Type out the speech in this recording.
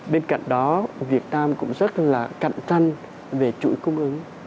bên cạnh đó việt nam cũng rất là cạnh tranh về chuỗi cung ứng